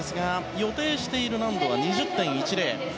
予定している難度は２０．１０。